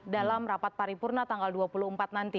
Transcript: dalam rapat paripurna tanggal dua puluh empat nanti